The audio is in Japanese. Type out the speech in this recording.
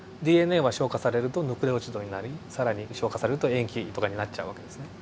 ＤＮＡは消化されるとヌクレオチドになり更に消化されると塩基とかになっちゃう訳ですね。